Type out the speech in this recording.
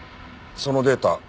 そのデータ